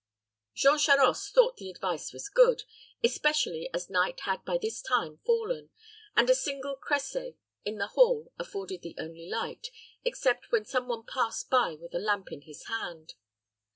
Jean Charost thought the advice was good, especially as night had by this time fallen, and a single cresset in the hall afforded the only light, except when some one passed by with a lamp in his hand.